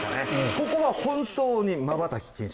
ここは本当にまばたき禁止。